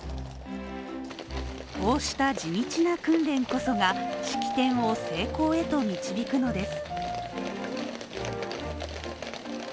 こうした地道な訓練こそが、式典を成功へと導くのです。